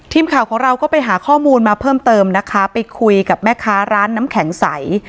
ทีมข่าวของเราก็ไปหาข้อมูลมาเพิ่มเติมนะคะไปคุยกับแม่ค้าร้านน้ำแข็งใส